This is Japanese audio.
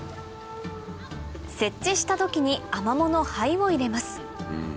設置した土器にアマモの灰を入れます